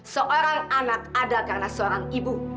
seorang anak ada karena seorang ibu